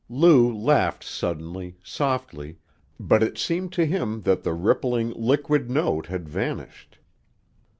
Lou laughed suddenly, softly, but it seemed to him that the rippling, liquid note had vanished.